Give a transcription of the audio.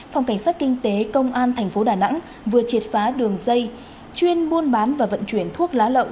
phòng cảnh sát kinh tế công an tp đà nẵng vừa triệt phá đường dây chuyên buôn bán và vận chuyển thuốc lá lậu